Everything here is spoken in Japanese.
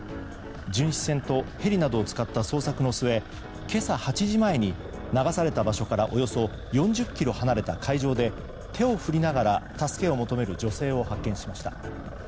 巡視船とヘリなどを使った捜索の末今朝８時前に流された場所からおよそ４０ｋｍ離れた海上で手を振りながら助けを求める女性を発見しました。